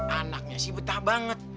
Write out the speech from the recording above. anaknya sih betah banget